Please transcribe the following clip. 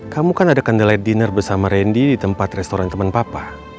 kamu kan ada kendala dinner bersama randy di tempat restoran teman papa